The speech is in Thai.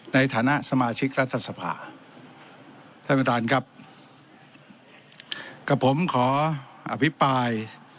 ในฐานะสมาชิกรัฐสภาท่านประธานครับกับผมขออภิปราย